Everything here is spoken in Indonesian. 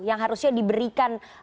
yang harusnya diberikan